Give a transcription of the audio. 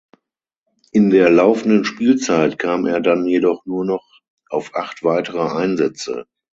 In der laufenden Spielzeit kam er dann jedoch nur noch auf acht weitere Einsätze.